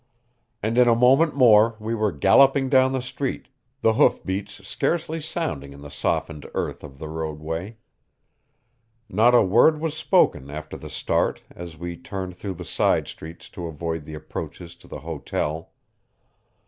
And in a moment more we were galloping down the street, the hoof beats scarcely sounding in the softened earth of the roadway. Not a word was spoken after the start as we turned through the side streets to avoid the approaches to the hotel.